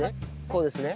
こうですね？